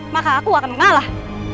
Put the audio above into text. maka aku akan mengalah